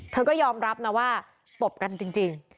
เธอก็ยอมรับนะว่าตบกันจริง